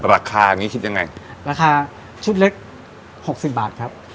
ราคานี้คิดยังไงราคาชุดเล็กหกสิบบาทครับ